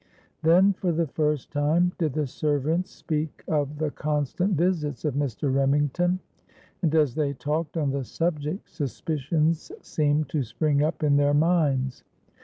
Then for the first time did the servants speak of the constant visits of Mr. Remington; and as they talked on the subject, suspicions seemed to spring up in their minds.